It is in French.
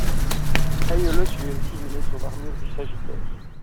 Aiolos lui a aussi donné son armure du Sagittaire.